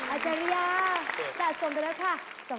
อาจารยาส่วนไปแล้วค่ะ๒๕๐๐๐บาท